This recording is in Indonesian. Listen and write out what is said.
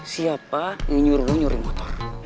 siapa yang nyuruh lo nyuri motor